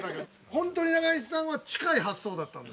◆本当に、中西さんは近い発想だったんです。